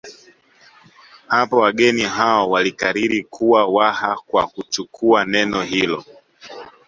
Hapo wageni hao walikariri kuwa Waha kwa kuchukua neno hilo